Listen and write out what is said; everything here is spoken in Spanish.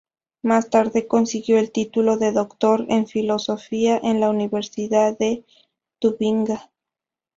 Más tarde consiguió el título de doctor en filosofía en la Universidad de Tubinga.